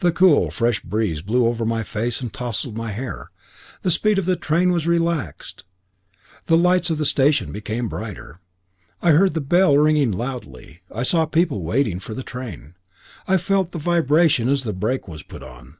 The cool fresh breeze blew over my face and tossed my hair; the speed of the train was relaxed; the lights of the station became brighter. I heard the bell ringing loudly; I saw people waiting for the train; I felt the vibration as the brake was put on.